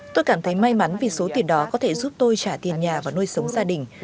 tôi cảm thấy may mắn vì số tiền đó có thể giúp tôi trả tiền nhà và nuôi sống gia đình